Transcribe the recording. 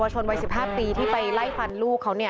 ชนวัย๑๕ปีที่ไปไล่ฟันลูกเขา